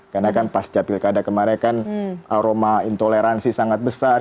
karena kan pas capilkada kemarin kan aroma intoleransi sangat besar